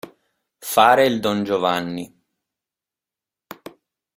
Fare il Don Giovanni.